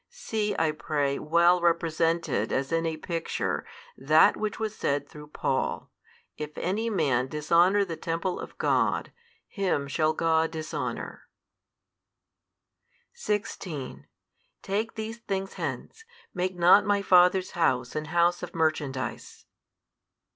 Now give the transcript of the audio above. See I pray well represented as in a picture that which was said through Paul, If any man dishonour the Temple of God, him shall God dishonour. 16 Take these things hence; make not My Father's House an house of merchandise.